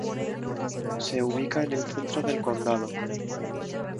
Se ubica en el centro del condado.